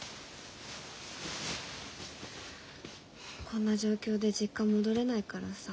こんな状況で実家戻れないからさ。